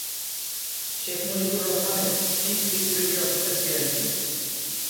শেখ মুজিবুর রহমানের chief security officer ছিলেন তিনি।